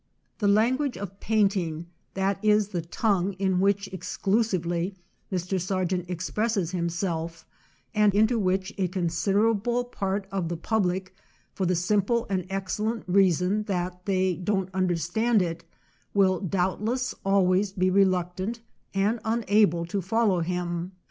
The language of paint ingâ that is the tongue in which, exclu sively, Mr. Sargent expresses himself, and into which a considerable part of the pub lic, for the simple and excellent reason that they don't understand it, will doubt less always be reluctant and unable to fol low him.